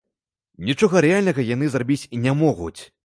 Нічога рэальнага яны зрабіць не могуць.